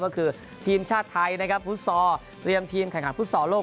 ก็คือทีมชาติไทยนะครับฟุตซอลเตรียมทีมแข่งขันฟุตซอลโลก